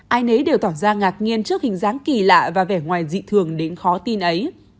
ai nấy đều tỏ ra ngạc nhiên trước hình dáng kỳ lạ và vẻ ngoài dị thường đến khó tin ấy